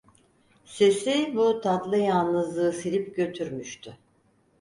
Sesi, bu tatlı yalnızlığı silip götürmüştü.